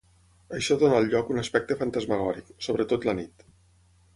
Això dóna al lloc un aspecte fantasmagòric, sobretot la nit.